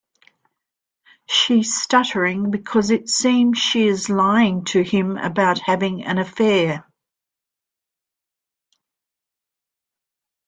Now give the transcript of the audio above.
She's "stuttering" because it seems she is lying to him about having an affair.